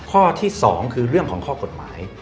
ข้อที่๒คือเรื่องของข้อกฎหมาย